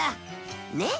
ねっ？